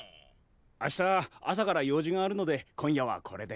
明日朝から用事があるので今夜はこれで。